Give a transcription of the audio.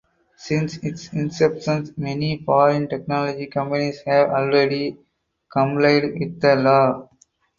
Since its inception many foreign technology companies have already complied with the law.